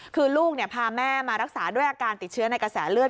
คือลูกพาแม่มารักษาด้วยอาการติดเชื้อในกระแสเลือด